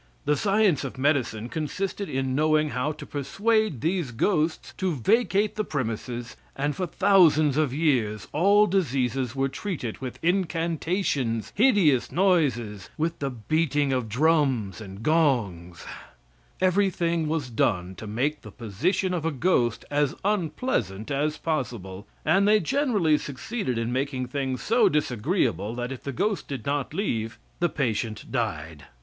The science of medicine consisted in knowing how to persuade these ghosts to vacate the premises and for thousands of years all diseases were treated with incantations, hideous noises, with the beating of drums and gongs; everything was done to make the position of a ghost as unpleasant as possible; and they generally succeeded in making things so disagreeable that if the ghost did not leave, the patient died.